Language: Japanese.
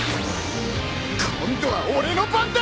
今度は俺の番だ！